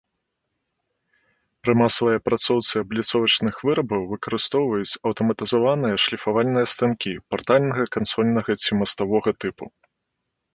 Пры масавай апрацоўцы абліцовачных вырабаў выкарыстоўваюць аўтаматызаваныя шліфавальныя станкі партальнага, кансольнага ці маставога тыпу.